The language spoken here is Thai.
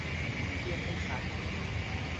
เทียบให้ชัด